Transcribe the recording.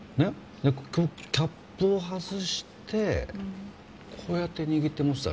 でキャップを外してこうやって握って持つだろ？